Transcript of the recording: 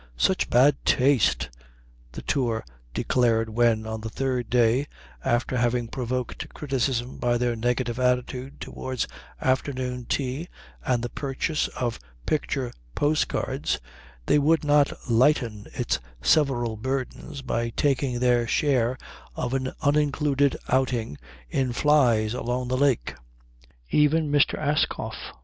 "Such bad taste." the Tour declared when, on the third day, after having provoked criticism by their negative attitude towards afternoon tea and the purchase of picture postcards, they would not lighten its several burdens by taking their share of an unincluded outing in flys along the lake.